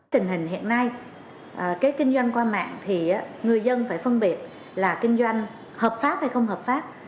tình hình hiện nay cái kinh doanh qua mạng thì người dân phải phân biệt là kinh doanh hợp pháp hay không hợp pháp